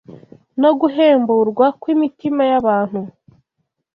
no guhemburwa kw’imitima y’abantu